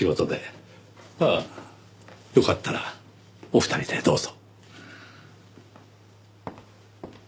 ああよかったらお二人でどうぞ。